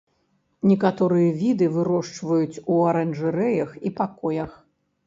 Некаторыя віды вырошчваюць у аранжарэях і пакоях.